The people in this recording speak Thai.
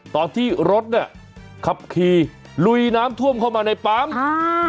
ตอนที่รถเนี้ยขับขี่ลุยน้ำท่วมเข้ามาในปั๊มอ่า